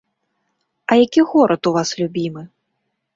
А які горад у вас любімы?